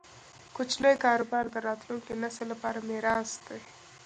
کوچني کاروبارونه د راتلونکي نسل لپاره میراث دی.